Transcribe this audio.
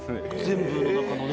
全部の中のね。